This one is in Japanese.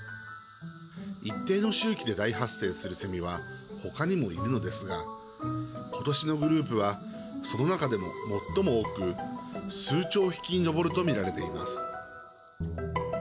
一定の周期で大発生するセミはほかにもいるのですがことしのグループはその中でも最も多く数兆匹に上るとみられています。